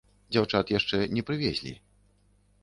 Дзяўчат яшчэ не прывезлі.